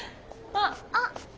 あっ。